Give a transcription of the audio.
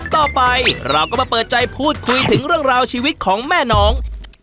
ต่อไปเราก็มาเปิดใจพูดคุยถึงเรื่องราวชีวิตของแม่น้อง